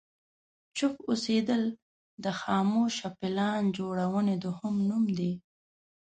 چوپ اوسېدل د خاموشه پلان جوړونې دوهم نوم دی.